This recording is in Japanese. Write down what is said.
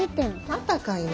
またかいな。